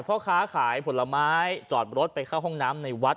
พ่อค้าขายผลไม้จอดรถไปเข้าห้องน้ำในวัด